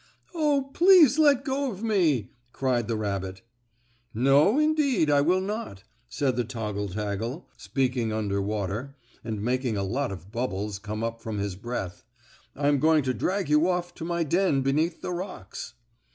"Oh, please let go of me!" cried the rabbit. "No, indeed, I will not," said the toggle taggle, speaking under water, and making a lot of bubbles come up from his breath. "I am going to drag you off to my den beneath the rocks."